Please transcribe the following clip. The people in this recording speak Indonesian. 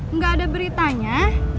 enggak ada beritanya